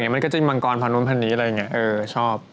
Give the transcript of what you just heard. มันก็จะมีมังกรพร้อมนวลพะนี้อะไรอย่างเงี้ยชอบ